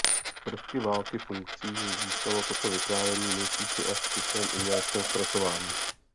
Prvky války funkcí získalo toto vyprávění nejspíše až při své uměleckém zpracování.